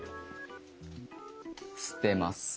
捨てます。